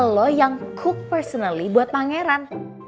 lo yang cook personally buat pangeran